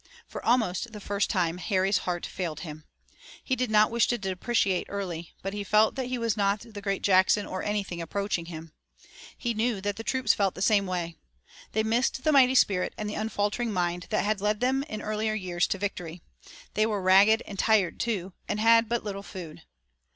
For almost the first time, Harry's heart failed him. He did not wish to depreciate Early, but he felt that he was not the great Jackson or anything approaching him. He knew that the troops felt the same way. They missed the mighty spirit and the unfaltering mind that had led them in earlier years to victory. They were ragged and tired, too, and had but little food.